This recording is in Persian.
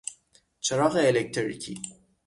چراغ الکتریکی